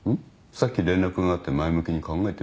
さっき連絡があって前向きに考えてみたいって。